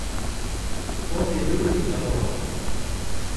Paul ilul deg Roma.